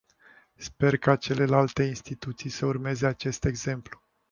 Sper ca celelalte instituții să urmeze acest exemplu.